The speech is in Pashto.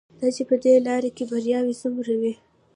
دا چې په دې لاره کې بریاوې څومره وې.